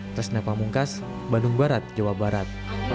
tresna pamungkas bandung barat jawa barat